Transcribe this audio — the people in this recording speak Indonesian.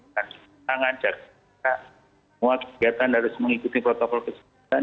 tangan jari muat kegiatan harus mengikuti protokol keseluruhan